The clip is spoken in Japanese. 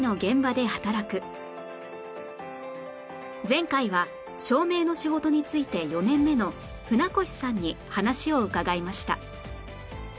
前回は照明の仕事に就いて４年目の舟越さんに話を伺いました